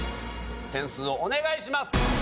点数をお願いします。